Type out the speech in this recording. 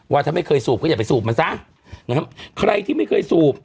ว่าถ้าไม่เคยสูบก็อย่าไปสูบมันซะนะครับใครที่ไม่เคยสูบ